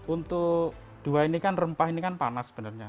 untuk dua ini kan rempah ini kan panas sebenarnya